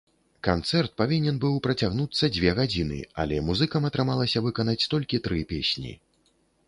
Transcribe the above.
Канцэрт павінен быў працягнуцца дзве гадзіны, але музыкам атрымалася выканаць толькі тры песні.